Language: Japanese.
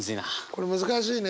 これ難しいね。